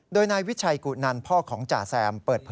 โดยนายวิชัยกุนันพ่อของจาแซม